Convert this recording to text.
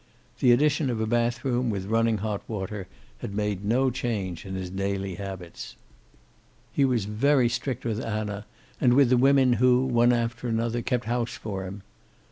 The addition of a bathroom, with running hot water, had made no change in his daily habits. He was very strict with Anna, and with the women who, one after another, kept house for him.